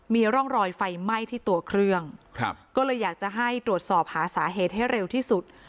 มีร่องรอยไฟไหม้ที่ตัวเครื่องครับก็เลยอยากจะให้ตรวจสอบหาสาเหตุให้เร็วที่สุด